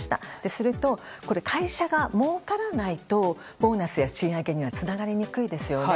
すると、会社がもうからないとボーナスや賃上げにはつながりにくいですよね。